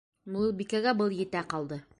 Муйылбикәгә был етә ҡалды.